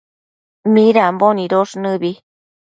midambo nidosh nëbi